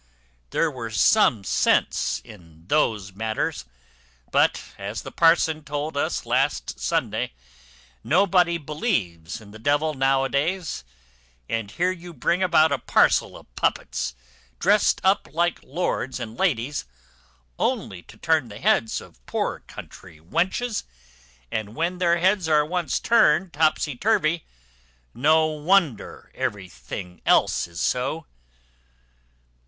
There was some sense in those matters; but as the parson told us last Sunday, nobody believes in the devil now a days; and here you bring about a parcel of puppets drest up like lords and ladies, only to turn the heads of poor country wenches; and when their heads are once turned topsy turvy, no wonder everything else is so."